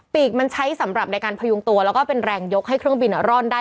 ปีกมันใช้สำหรับในการพยุงตัวแล้วก็เป็นแรงยกให้เครื่องบินร่อนได้